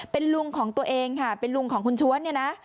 เป็นลุงของตัวเองค่ะเป็นลุงของคุณชวนเนี่ยนะ